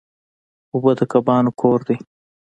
اوبه د کبانو کور دی.